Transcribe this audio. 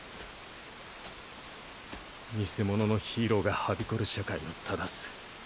偽物のヒーローがはびこる社会を正す。